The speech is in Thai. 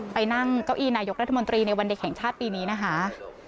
ไปนั่งเก้าอี้นายกรัฐมนตรีในวันเด็กแห่งชาติปีนี้นะคะ